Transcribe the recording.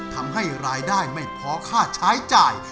ทำให้รายได้ไม่พอค่าใช้จ่าย